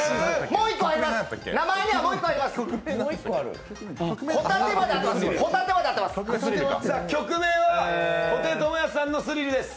もう一個あります。